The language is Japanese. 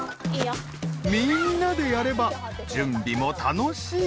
みんなでやれば準備も楽しい。